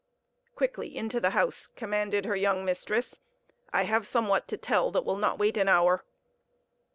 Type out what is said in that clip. "Quickly, into the house!" commanded her young mistress; "I have somewhat to tell that will not wait an hour."